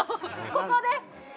ここで？